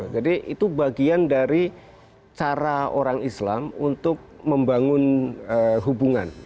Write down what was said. jadi itu bagian dari cara orang islam untuk membangun hubungan